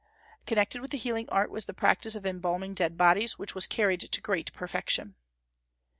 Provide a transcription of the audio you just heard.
Connected with the healing art was the practice of embalming dead bodies, which was carried to great perfection.